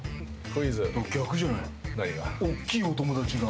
おっきいお友達が。